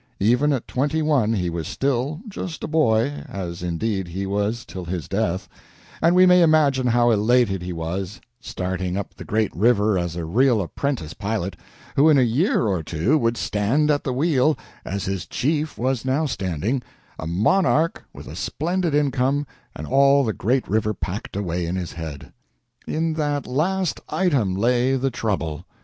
Even at twenty one he was still just a boy as, indeed, he was till his death and we may imagine how elated he was, starting up the great river as a real apprentice pilot, who in a year or two would stand at the wheel, as his chief was now standing, a monarch with a splendid income and all the great river packed away in his head. In that last item lay the trouble.